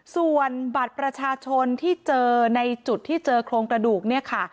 ส่วนบัตรประชาชนที่เจอในจุดที่เจอโครงกระดูกเนี่ยค่ะ